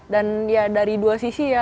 dan ya dari dua sisi ya